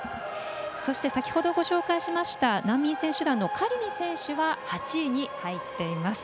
そして、先ほどご紹介しました難民選手団のカリミ選手は８位に入っています。